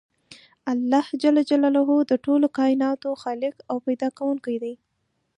الله ج د ټولو کایناتو خالق او پیدا کوونکی دی .